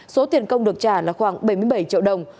số tiền công được trả là khoảng một mươi sáu đồng